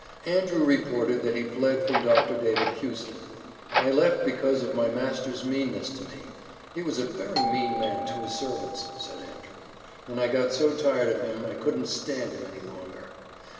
Andrew reported that he fled from Dr. David Houston. "I left because of my master's meanness to me; he was a very mean man to his servants," said Andrew, "and I got so tired of him I couldn't stand him any longer."